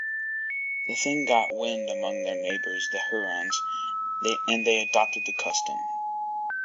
The thing got wind among their neighbors the Hurons, and they adopted the custom.